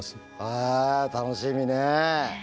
あ楽しみね。